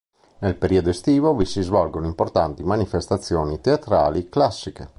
Nel periodo estivo vi si svolgono importanti manifestazioni teatrali classiche.